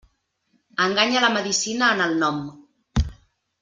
Enganya la medicina en el nom.